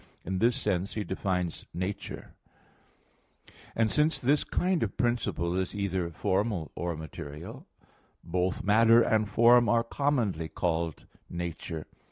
In this sense he defines "nature" (Phys. ii, 3). And since this kind of principle is either formal or material, both matter and form are commonly called nature.